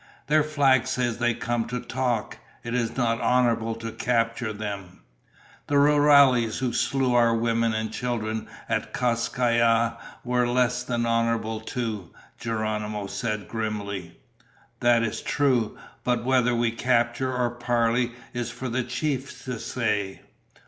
"Their flag says they come to talk. It is not honorable to capture them." "The rurales who slew our women and children at Kas Kai Ya were less than honorable too," Geronimo said grimly. "That is true, but whether we capture or parley is for the chiefs to say.